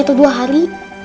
atau dua hari